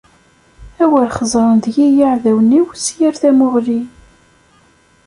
Awer xeẓren deg-i yiεdawen-iw, s yir tamuɣli.